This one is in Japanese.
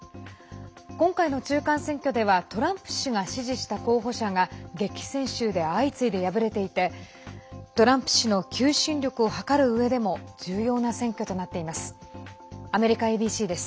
今回の中間選挙ではトランプ氏が支持した候補者が激戦州で相次いで敗れていてトランプ氏の求心力を測るうえでも重要な選挙となっています。